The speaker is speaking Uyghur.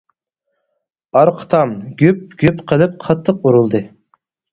ئارقا تام، «گۈپ، گۈپ» قىلىپ قاتتىق ئۇرۇلدى.